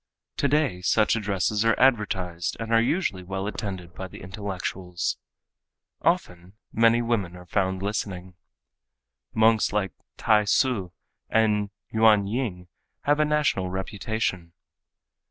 Today such addresses are advertised and are usually well attended by the intellectuals. Often many women are found listening. Monks like T'ai Hsü and Yuan Ying have a national reputation.